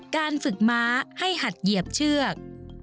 การฝึกม้าให้หัดเหยียบเชือก